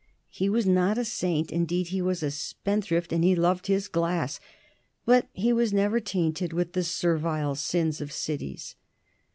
He was not a saint, indeed; he was a spendthrift and he loved his glass, but he was never tainted with the servile sins of cities.